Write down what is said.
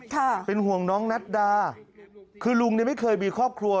ค่ะเป็นห่วงน้องนัดดาคือลุงเนี่ยไม่เคยมีครอบครัว